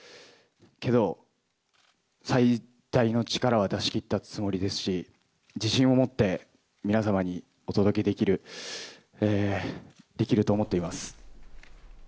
けど、最大の力は出しきったつもりですし、自信を持って、皆様にお届けできる、できると思っています。